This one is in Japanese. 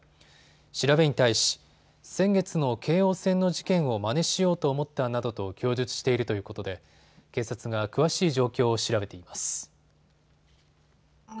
調べに対し先月の京王線の事件をまねしようと思ったなどと供述しているということで警察が詳しい状況を調べています。